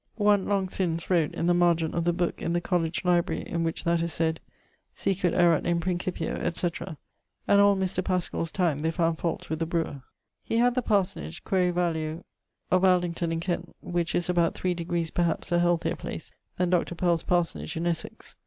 One, long since, wrote, in the margent of the booke in College library in which that is sayd, 'Sicut erat in principio, etc.'; and all Mr. Paschall's time they found fault with the brewer. He had the parsonage (quaere value) of Aldington in Kent, which is about 3 degrees perhaps a healthier place then Dr. Pell's parsonage in Essex.